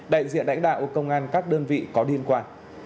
đại diện đảnh đạo công an các đơn vị có điên qua